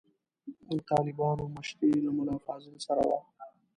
د طالبانو مشري له ملا فاضل سره وه.